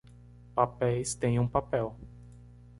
Papéis têm um papel